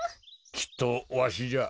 きっとわしじゃ。